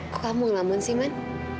kok kamu laman sih man